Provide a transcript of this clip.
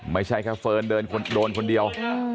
ไม่ใช่แค่เฟิร์นโดนคนเดียว